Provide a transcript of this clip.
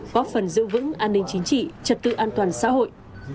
góp phần giữ vững an ninh chính trị trật tự an toàn xã hội